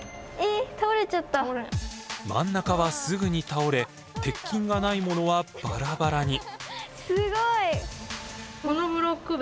真ん中はすぐに倒れ鉄筋がないものはバラバラに。